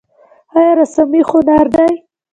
آیا رسامي هنر دی؟